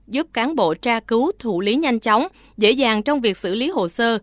giúp cán bộ tra cứu thủ lý nhanh chóng dễ dàng trong việc xử lý hồ sơ